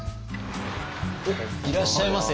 おっいらっしゃいませ。